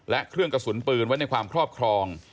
และเครื่องกระสุนปืนไว้ในความครอบครอง